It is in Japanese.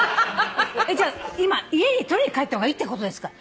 じゃあ今家に取りに帰った方がいいってことですか？